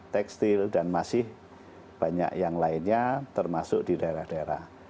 tekstil dan masih banyak yang lainnya termasuk di daerah daerah